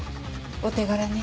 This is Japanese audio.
お手柄ね。